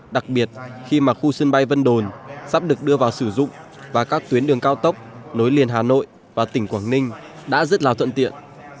đặc biệt khi mà khu sân bay vân đồn sắp được đưa vào sử dụng và các tuyến đường cao tốc nối liền hà nội và tỉnh quảng ninh đã rất là thuận tiện